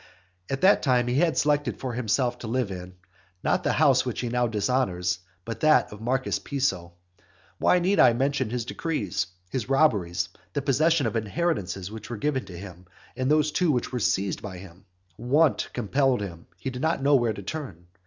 At that time he had selected for himself to live in, not the house which he now dishonours, but that of Marcus Piso. Why need I mention his decrees, his robberies, the possessions of inheritances which were given him, and those too which were seized by him? Want compelled him; he did not know where to turn.